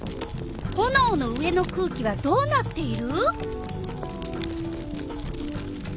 ほのおの上の空気はどうなっている？